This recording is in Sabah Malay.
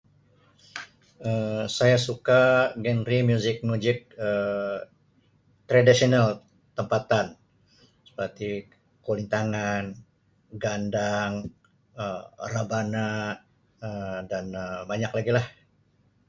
Um Saya suka genre muzik-muzik Um tradisional tempatan seperti Kulintangan, Gandang Um Rabana Um dan Um banyak lagi lah.